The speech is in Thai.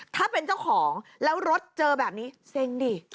ถ้าเป็นเจ้าของแล้วรถเจอแบบนี้เซ็งดิ